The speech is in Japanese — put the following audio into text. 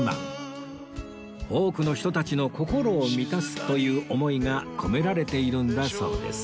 多くの人たちの心を満たすという思いが込められているんだそうです